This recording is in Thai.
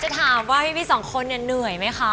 ถามว่าพี่สองคนเนี่ยเหนื่อยไหมคะ